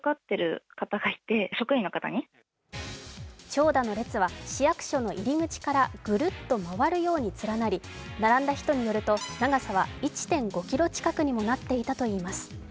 長蛇の列は市役所の入り口からぐるっと回るように連なり、並んだ人によると長さは１．５ｋｍ近くにもなっていたといいます。